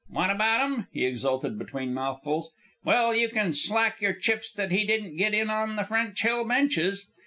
"What about 'm?" he exulted between mouthfuls. "Well, you can stack your chips that he didn't get in on the French Hill benches.